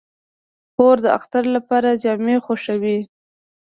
خور د اختر لپاره جامې خوښوي.